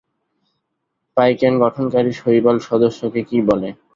পাইকেন গঠনকারী শৈবাল সদস্যকে কী বলে?